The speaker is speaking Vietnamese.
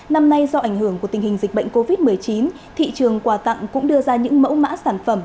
năm nay do ảnh hưởng của tình hình dịch bệnh covid một mươi chín thị trường quà tặng cũng đưa ra những mẫu mã sản phẩm